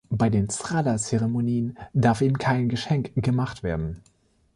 Bei den Sraddha-Zeremonien darf ihm kein Geschenk gemacht werden.